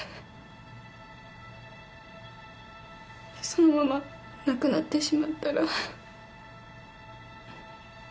そのまま亡くなってしまったら。